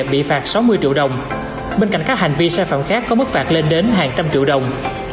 bị phạt sáu mươi triệu đồng bên cạnh các hành vi sai phạm khác có mức phạt lên đến hàng trăm triệu đồng